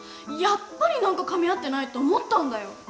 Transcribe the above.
やっぱり何かかみ合ってないと思ったんだよ。